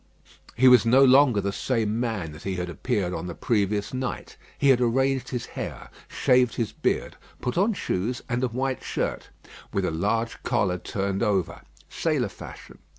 He was no longer the same man that he had appeared on the previous night. He had arranged his hair, shaved his beard, put on shoes, and a white shirt, with a large collar turned over, sailor fashion.